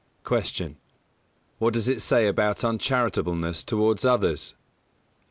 217. Q. What does it say about uncharitableness towards others? A.